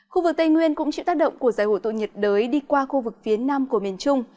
khu vực tây nguyên cũng chịu tác động của giải hội tội nhiệt đới đi qua khu vực phía nam của miền trung